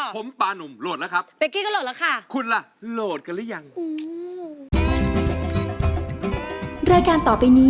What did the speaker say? ผมปานุ่มโหลดแล้วครับ